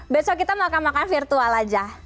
besok kita makan makan virtual aja